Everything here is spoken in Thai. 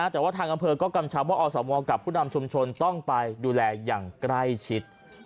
แต่ว่าทางอำเภอก็กำชับว่าอสมกับผู้นำชุมชนต้องไปดูแลอย่างใกล้ชิด